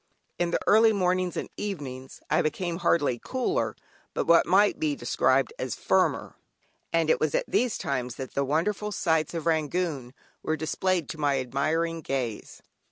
In the early mornings and evenings I became, hardly cooler, but what might be described as firmer, and it was at these times that the wonderful sights of Rangoon were displayed to my admiring gaze.